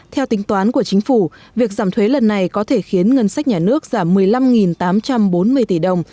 theo tính toán của chính phủ việc giảm thuế lần này có thể khiến ngân sách nhà nước giảm một mươi năm tám trăm bốn mươi tỷ đồng